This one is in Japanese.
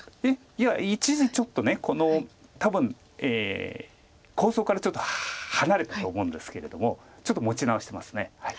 いや一時ちょっと多分構想からちょっと離れたと思うんですけれどもちょっと持ち直してます。